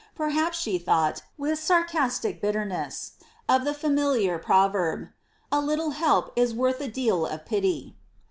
Perhaps she thought, with sarcastic bitterness, of the familiar proverb—^ A little help is worth a deal of pity."